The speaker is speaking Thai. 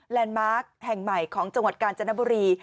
มาร์คแห่งใหม่ของจังหวัดกาญจนบุรี